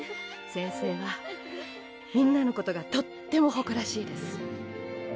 先生はみんなのことがとっても誇らしいです。